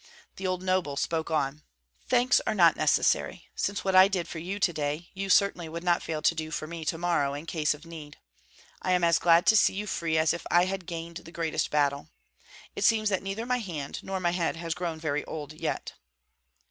The old noble spoke on, "Thanks are not necessary, since what I did for you today you certainly would not fail to do for me to morrow in case of need. I am as glad to see you free as if I had gained the greatest battle. It seems that neither my hand nor my head has grown very old yet."